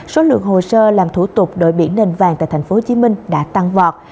số lượng hồ sơ làm thủ tục đội biển nền vàng tại tp hcm đã tăng vọt